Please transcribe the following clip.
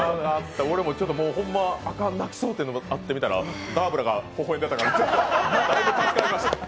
俺もホンマ、あかん泣きそうってなってたらダーブラが微笑んでたから、だいぶ助かった。